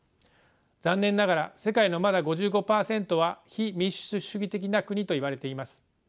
残念ながら世界のまだ５５％は非民主主義的な国といわれています。